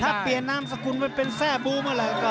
ถ้าเปลี่ยนน้ำสกุลมาเป็นแท้บูม